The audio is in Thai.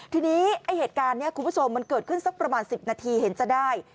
ทีนี้ไอ้เหตุการณ์นี้คุณผู้ชมมันเกิดขึ้นสักประมาณ๑๐นาทีเห็นจะได้